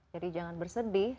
jadi jangan bersedih